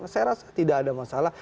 saya rasa tidak ada masalah